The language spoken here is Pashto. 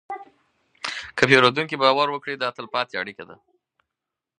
که پیرودونکی باور وکړي، دا تلپاتې اړیکه ده.